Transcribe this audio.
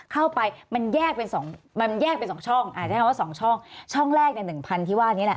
เข้าไปมันแยกเป็น๒ช่องช่องแรกใน๑๐๐๐ที่ว่านี้แหละ